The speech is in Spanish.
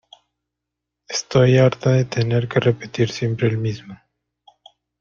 Estoy harta de tener que repetir siempre el mismo.